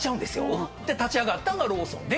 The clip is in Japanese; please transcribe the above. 立ち上がったんがローソンで。